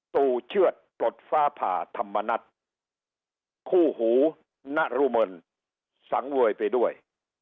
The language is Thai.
ตู่เชื่อดปลดฟ้าผ่าธรรมนัฐคู่หูนรุเมนสังเวยไปด้วย